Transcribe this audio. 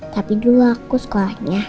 tapi dulu aku sekolahnya